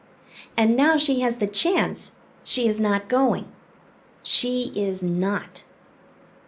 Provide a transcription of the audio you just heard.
And now she has the chance, she is not going. She is Not.